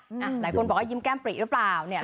หลายคนบอกว่ายิ้มแก้มปริหรือเปล่าเนี่ย